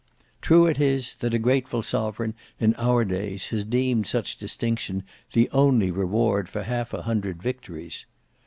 True it is, that a grateful sovereign in our days has deemed such distinction the only reward for half a hundred victories.